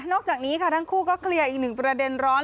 จากนี้ค่ะทั้งคู่ก็เคลียร์อีกหนึ่งประเด็นร้อน